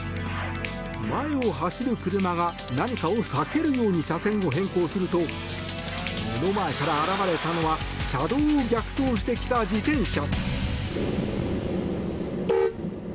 前を走る車が何かを避けるように車線を変更すると目の前から現れたのは車道を逆走してきた自転車。